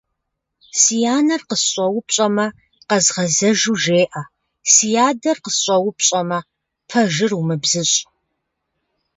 Си анэр къысщӏэупщӏэмэ, къэзгъэзэжу жеӏэ, си адэр къысщӏэупщӏэмэ, пэжыр умыбзыщӏ.